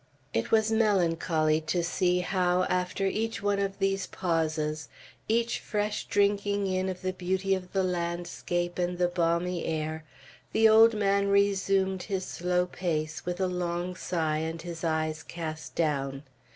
It was melancholy to see how, after each one of these pauses, each fresh drinking in of the beauty of the landscape and the balmy air, the old man resumed his slow pace, with a long sigh and his eyes cast down.